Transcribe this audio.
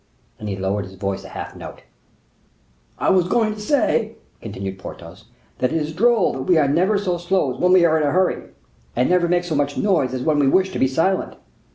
and he lowered his voice a half note. "I was going to say," continued Porthos, "that it is droll that we are never so slow as when we are in a hurry, and never make so much noise as when we wish to be silent."